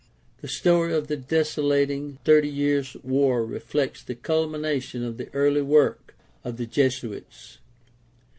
The story of the desolating Thirty Years' War reflects the culmination of the early work of the Jesuits.